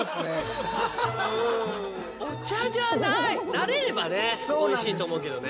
慣れればねおいしいと思うけどね。